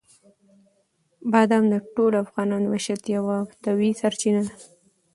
بادام د ټولو افغانانو د معیشت یوه طبیعي سرچینه ده.